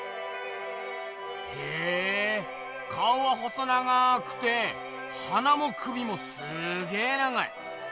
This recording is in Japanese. へえ顔は細長くて鼻も首もすげ長い。